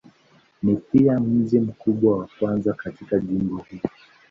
Ni pia mji mkubwa wa kwanza katika jimbo huu.